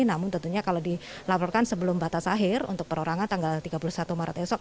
namun tentunya kalau dilaporkan sebelum batas akhir untuk perorangan tanggal tiga puluh satu maret esok